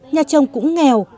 nhà chồng cũng nghèo